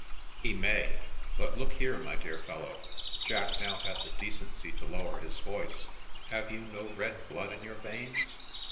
" He may. But, look here, my dear fellow," — Jack now had the decency to lower his voice, —" have you no red blood in your veins?